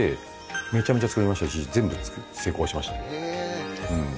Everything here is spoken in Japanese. めちゃめちゃ作りましたし全部成功しました。